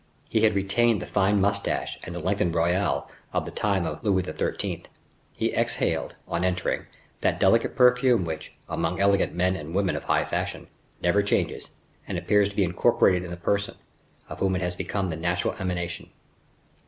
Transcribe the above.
He had retained the fine mustache, and the lengthened royale of the time of Louis XIII. He exhaled, on entering, that delicate perfume which, among elegant men and women of high fashion, never changes, and appears to be incorporated in the person, of whom it has become the natural emanation.